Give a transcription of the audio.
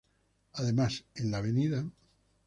Además, en la Av.